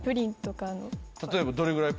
例えばどれぐらい？